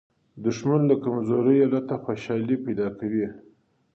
دښمن له کمزوري حالته خوشالي پیدا کوي